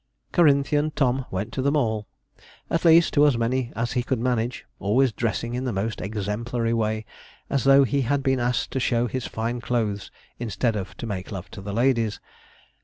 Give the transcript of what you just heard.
Corinthian Tom went to them all at least, to as many as he could manage always dressing in the most exemplary way, as though he had been asked to show his fine clothes instead of to make love to the ladies.